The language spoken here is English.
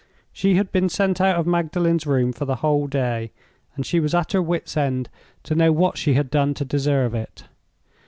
She had been sent out of Magdalen's room for the whole day, and she was at her wits' end to know what she had done to deserve it.